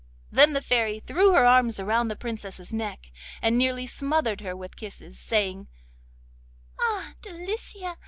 Then the Fairy threw her arms round the Princess's neck, and nearly smothered her with kisses, saying: 'Ah, Delicia!